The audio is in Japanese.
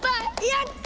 やった！